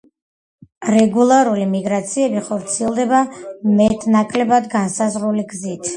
რეგულარული მიგრაციები ხორციელდება მეტ-ნაკლებად განსაზღვრული გზით.